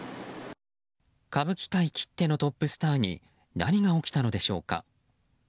歌舞伎界きってのトップスターに何が起きたのでしょうか。